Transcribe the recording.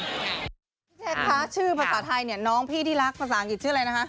พี่แจ๊คคะชื่อภาษาไทยเนี่ยน้องพี่ที่รักภาษาอังกฤษชื่ออะไรนะคะ